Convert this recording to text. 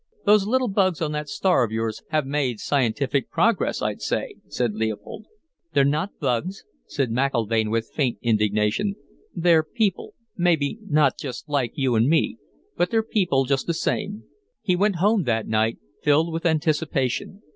"Those little bugs on that star of yours have made scientific progress, I'd say," said Leopold. "They're not bugs," said McIlvaine with faint indignation. "They're people, maybe not just like you and me, but they're people just the same." He went home that night filled with anticipation.